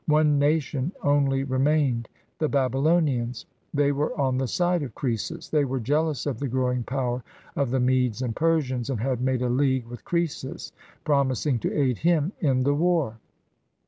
One nation only remained — the Babylonians. They were on the side of Croesus. They were jealous of the growing power of the Medes and Persians, and had made a league with Croesus, promising to aid him in the war.